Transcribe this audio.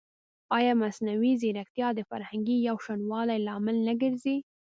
ایا مصنوعي ځیرکتیا د فرهنګي یوشان والي لامل نه ګرځي؟